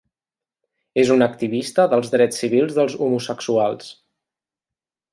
És un activista dels drets civils dels homosexuals.